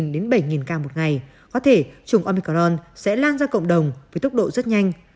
đến bảy ca một ngày có thể chủng omicron sẽ lan ra cộng đồng với tốc độ rất nhanh